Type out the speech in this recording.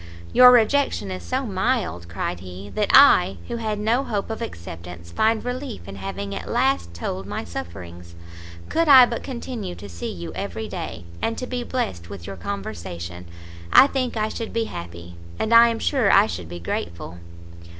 "Your rejection is so mild," cried he, "that I, who had no hope of acceptance, find relief in having at last told my sufferings. Could I but continue to see you every day, and to be blest with your conversation, I think I should be happy, and I am sure I should be grateful."